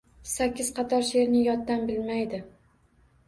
Sakkiz qator she’rni yoddan bilmaydi.